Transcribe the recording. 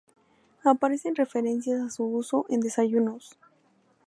Aparecen referencias a su uso en desayunos.